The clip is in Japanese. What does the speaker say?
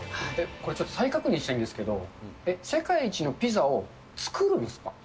これ、ちょっと再確認したいんですけど、世界一のピザを作るんですか？